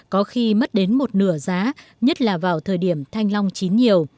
có khi mất đến một cơ quan tổ chức nào đứng ra